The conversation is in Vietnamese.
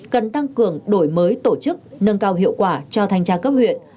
cần tăng cường đổi mới tổ chức nâng cao hiệu quả cho thanh tra cấp huyện